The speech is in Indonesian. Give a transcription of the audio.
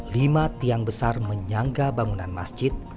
lima tiang besar menyangga bangunan masjid